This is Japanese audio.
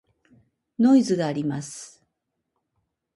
ノイズがあります。